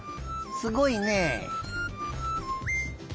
すごいね。